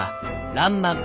「らんまん」。